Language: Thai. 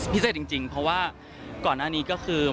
จริงเพราะว่าก่อนหน้านี้ก็คือ